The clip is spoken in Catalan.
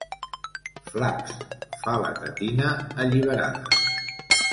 Flaps, fa la tetina alliberada.